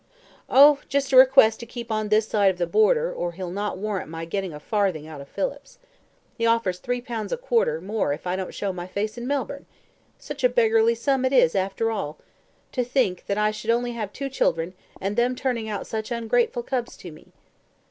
"Oh! just a request to keep on this side of the border, or he'll not warrant my getting a farthing out of Phillips. He offers three pound a quarter more if I don't show my face in Melbourne! Such a beggarly sum it is after all! To think that I should only have two children, and them turning out such ungrateful cubs to me!"